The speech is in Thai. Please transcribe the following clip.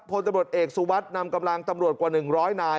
พลตำรวจเอกสุวัสดิ์นำกำลังตำรวจกว่า๑๐๐นาย